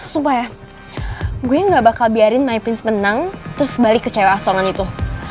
sumpah ya gue gak bakal biarin my prince menang terus balik ke cewek asongan itu